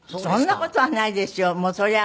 そりゃ